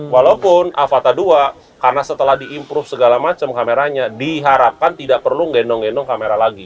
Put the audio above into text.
walaupun avata ii karena setelah di improve segala macam kameranya diharapkan tidak perlu gendong gendong kamera lagi